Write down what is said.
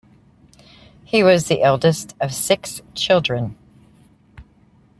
He was the eldest of six children.